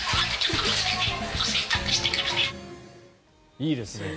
いいですね。